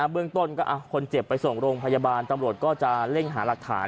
เบื้องต้นก็เอาคนเจ็บไปส่งโรงพยาบาลตำรวจก็จะเร่งหาหลักฐาน